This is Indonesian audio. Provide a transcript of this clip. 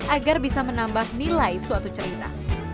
agar bisa menambah nilai suatu cerita